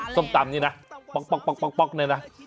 ซมตำนี้นะป๊อกในน่ะ